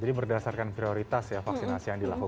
jadi berdasarkan prioritas ya vaksinasi yang dilakukan